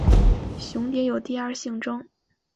雄蝶有第二性征。